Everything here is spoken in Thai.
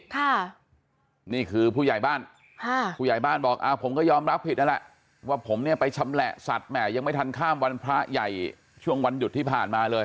ค่ะนี่คือผู้ใหญ่บ้านค่ะผู้ใหญ่บ้านบอกอ่าผมก็ยอมรับผิดนั่นแหละว่าผมเนี่ยไปชำแหละสัตว์แห่ยังไม่ทันข้ามวันพระใหญ่ช่วงวันหยุดที่ผ่านมาเลย